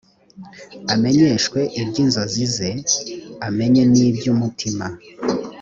amenyeshwe iby inzozi ze amenye n ibyo umutima